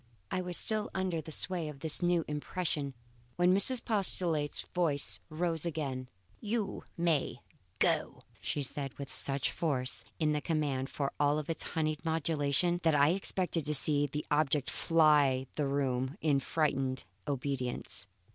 I was still under the sway of this new impression, when Mrs. Postlethwaite's voice rose again, this time addressing the young girl: "You may go," she said, with such force in the command for all its honeyed modulation, that I expected to see its object fly the room in frightened obedience.